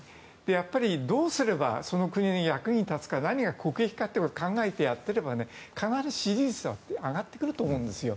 やっぱり、どうすればその国の役に立つか何が国益かということを考えてやっていれば必ず支持率は上がってくると思うんですよ。